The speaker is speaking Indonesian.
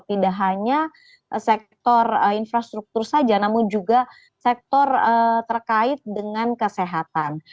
tidak hanya sektor infrastruktur saja namun juga sektor terkait dengan kesehatan